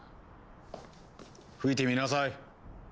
吹いてみなさい！